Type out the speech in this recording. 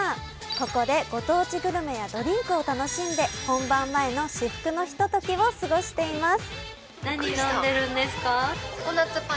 ここでご当地グルメやドリンクを楽しんで、本番前の至福のひとときを過ごしています。